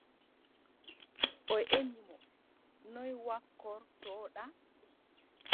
O ƴemi mo: noy ƴakkortoɗa ?